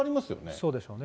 そうでしょうね。